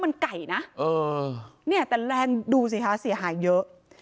มันไก่นะเออเนี่ยแต่แรงดูสิคะเสียหายเยอะ